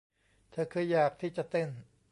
เธอเคยอยากที่จะเต้น